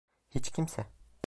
Hiç kimse.